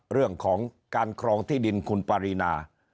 เรื่องของการครองที่ดินคุณปารีนา